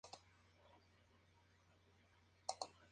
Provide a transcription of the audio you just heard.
Por el sur, al otro lado del Meno, está Sachsenhausen.